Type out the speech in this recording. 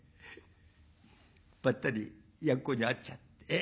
ばったりやっこに会っちゃって。